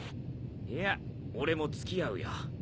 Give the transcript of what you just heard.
いや俺も付き合うよ。